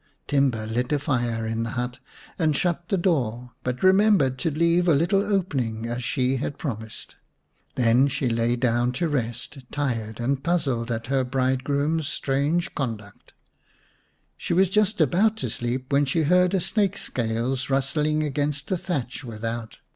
Timba lit a fire in the hut and shut the door, but remembered to leave a little opening as she had promised. Then she lay down to rest, tired and puzzled at her bride 94 vm The Serpent's Bride groom's strange conduct. She was just about to sleep when she heard a snake's scales rustling against the thatch without.